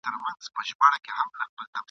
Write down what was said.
له مكتبه مي رهي كړله قمار ته !.